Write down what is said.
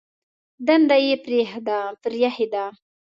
دنده یې پرېښې ده.